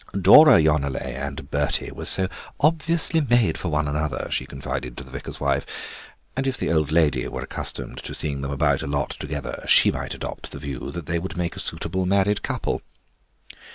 Dora Yonelet and Bertie were so obviously made for one another, she confided to the vicar's wife, and if the old lady were accustomed to seeing them about a lot together she might adopt the view that they would make a suitable married couple.